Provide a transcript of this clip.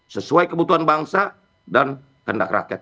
sesuai kebutuhan bangsa dan kendak rakyat